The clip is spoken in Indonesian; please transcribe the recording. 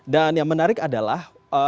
dan yang menarik adalah